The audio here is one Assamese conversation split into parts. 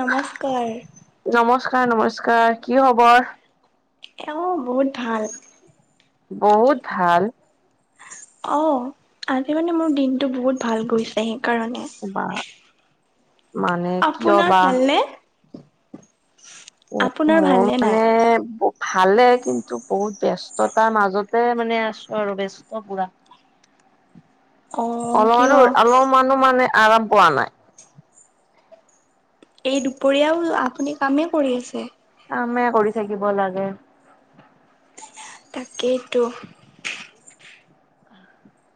নমস্কাৰ নমস্কাৰ নমস্কাৰ কি খবৰ। এওঁ বহুত ভাল। বহুত ভাল। অ আজি মানে মোৰ দিনতটো বহুত ভাল গৈছেহি। কাৰণে। বা মানে কিয় আপোনাৰ বা ভালনে আপোনাৰ মোৰ ভালনে নাই? মানে ভালে কিন্তু বহুত ব্যস্ততাৰ মাজতে মানে আছো আৰু ব্যস্ত পুৰা। অ কিয় অলমানো অলমানো মানে আৰাম পোৱা নাই। এই দুপৰীয়াও আপুনি কামেই কৰি আছে। কামে কৰি থাকিব লাগে। তাকেইতো।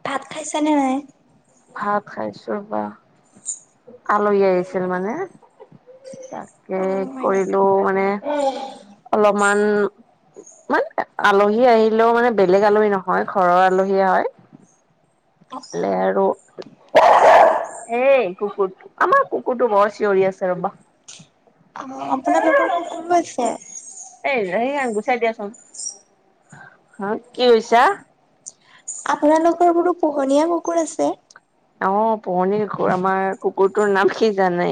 ভাত খাইছা নে নাই। ভাত খাইছো বা আলহী আহিছিল মানে। তাকে অ হয় কৰিলো নেকি মানে অলপমান। মানে আলহী আহিলেও মানে বেলেগ আলহী নহয় ঘৰৰ আলহীয়ে হয়। অ অ লে অ আৰু। হেই কুকুৰটো আমাৰ কুকুৰটো বৰ চিঞৰি আছে ৰবা। অ আপোনালোকৰো কোন আছে। এই সি গুচাই দিয়াচোন হ কি কৈছা- আপোনালোকৰ বোৰো পোহনীয়া কুকুৰ আছে। অ পুৰনিৰ ঘৰ আমাৰ কুকুৰটোৰ, নাম কি জানে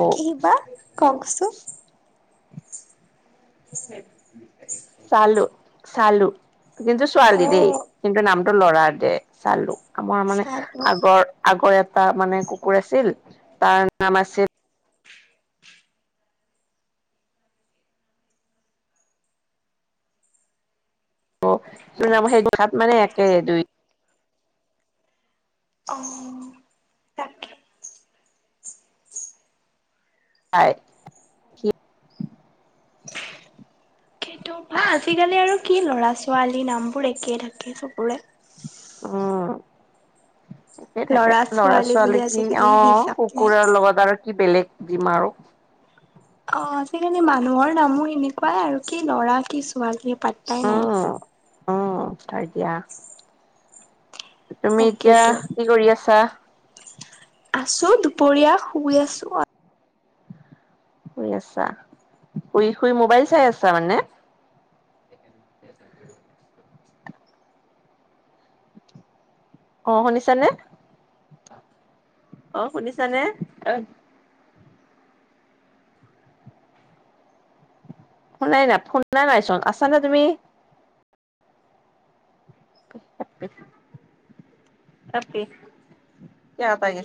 অ' কি বা ককচোন- চালো চালো- কিন্তু অ ছোৱালী দেই কিন্তু নামটো লৰা দে চালো আমাৰ মানে চালো আগৰ আগৰ- এটা মানে কুকুৰ আছিল তাৰ নাম আছিল। অ সেই তাত মানে একে দুই অ তাকে হয়। সেইটো বা আজিকালি আৰু কি ল'ৰা ছোৱালী নামবোৰ একেই থাকে চবৰে। অ, থিকেই থাকে ল'ৰা বুলি ছোৱালী কি আজিকালি অ হিচাপ নাই। কুকুৰৰ লগত আৰু কি বেলেগ যিমাৰো অ আজিকালি মানুহৰ নামো এনেকুৱাই আৰু কি ল'ৰা কি ছোৱ কি? পাতটাই নাই উম, উম তাই দিয়া। তুমি এতিয়া তাকেইতো কি কৰি আছা আছো দুপৰীয়া শুই আছো শুই আছা শুই শুই মোবাইল চাই আছা মানে। আহ শুনিছানে অ শুনিছানে। শুনাই নাই শুনা নাইচোন আছা না তুমি- [unintelligible]